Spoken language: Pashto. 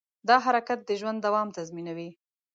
دا حرکت د ژوند دوام تضمینوي.